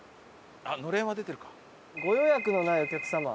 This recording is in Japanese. あっのれんは出てるか。